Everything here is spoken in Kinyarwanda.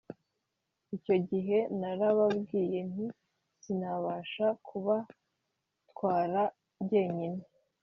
icyo gihe narababwiye nti «sinabasha kubatwara jyenyine